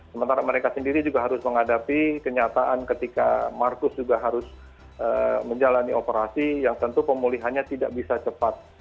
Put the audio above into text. sementara mereka sendiri juga harus menghadapi kenyataan ketika marcus juga harus menjalani operasi yang tentu pemulihannya tidak bisa cepat